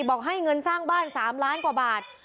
บอกให้เงินสร้างบ้าน๓ล้านกว่าบาท